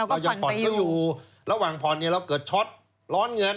เรายังผ่อนเขาอยู่ระหว่างผ่อนเนี่ยเราเกิดช็อตร้อนเงิน